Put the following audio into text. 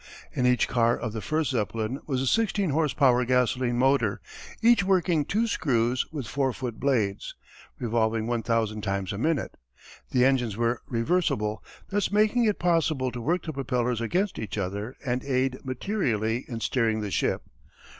In each car of the first Zeppelin was a sixteen horse power gasoline motor, each working two screws, with four foot blades, revolving one thousand times a minute. The engines were reversible, thus making it possible to work the propellers against each other and aid materially in steering the ship.